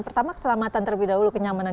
pertama keselamatan terlebih dahulu kenyamanan